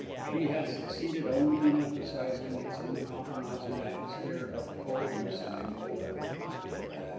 She had succeeded only in emphasising its uncompromising atmosphere of coldness and angularity.